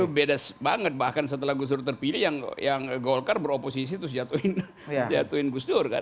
itu beda banget bahkan setelah gus dur terpilih yang golkar beroposisi terus jatuhin gus dur kan